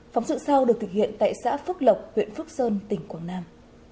phóng sự sau được thực hiện tại xã phước lộc huyện phước sơn tỉnh quảng nam